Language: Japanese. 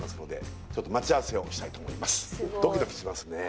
ちょっと待ち合わせをしたいと思います